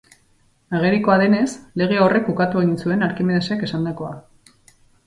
Agerikoa denez, lege horrek ukatu egin zuen Arkimedesek esandakoa.